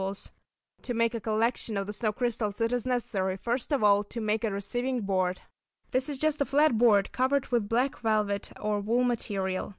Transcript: Trigonal crystal, very cold storm type] To make a collection of the snow crystals it is necessary, first of all, to make a receiving board. This is just a flat board covered with black velvet or wool material.